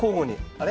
あれ？